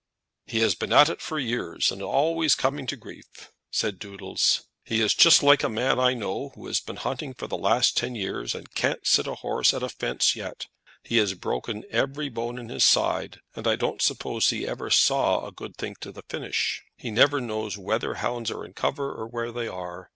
"He has been at it for years, and always coming to grief," said Doodles. "He is just like a man I know, who has been hunting for the last ten years, and can't sit a horse at a fence yet. He has broken every bone in his skin, and I don't suppose he ever saw a good thing to a finish. He never knows whether hounds are in cover, or where they are.